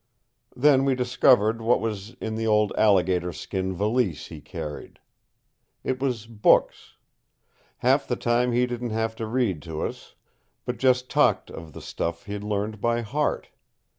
Then we discovered what was in the old alligator skin valise he carried. It was books. Half the time he didn't have to read to us, but just talked off the stuff he'd learned by heart.